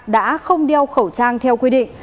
đã không đeo khẩu trang theo quy định